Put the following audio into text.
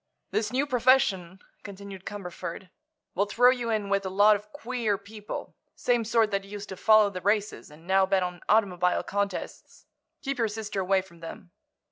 "This new profession," continued Cumberford, "will throw you in with a lot of 'queer' people—same sort that used to follow the races and now bet on automobile contests. Keep your sister away from them."